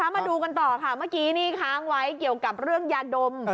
มาดูกันต่อค่ะเมื่อกี้นี่ค้างไว้เกี่ยวกับเรื่องยาดม